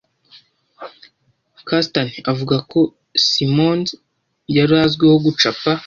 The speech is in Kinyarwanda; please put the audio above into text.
Kastan avuga ko Simmons yari azwiho gucapa